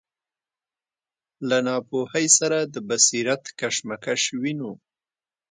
له ناپوهۍ سره د بصیرت کشمکش وینو.